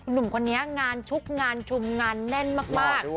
หนุ่มคนนี้งานชุกงานชุมงานแน่นมาก